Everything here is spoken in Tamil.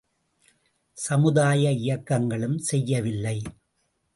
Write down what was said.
சமுதாய இயக்கங்களும் செய்யவில்லை.